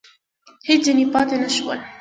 هېڅ ځني پاته نه شول !